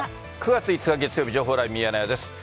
９月５日月曜日、情報ライブミヤネ屋です。